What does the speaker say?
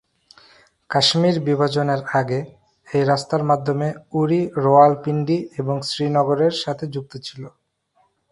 কাশ্মীর বিভাজনের আগে, এই রাস্তার মাধ্যমে উরি রাওয়ালপিন্ডি এবং শ্রীনগরের সাথে যুক্ত ছিল।